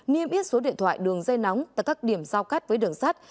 niêm ít số điện thoại đường dây nóng tại các điểm sao cắt với đường sắt